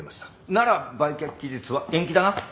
なら売却期日は延期だな。